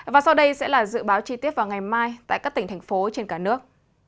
và sau đây sẽ là dự báo chi tiết vào ngày mai tại các tỉnh thành phố trên cả nước